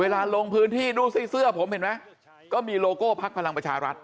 ลงพื้นที่ดูสิเสื้อผมเห็นไหมก็มีโลโก้พักพลังประชารัฐ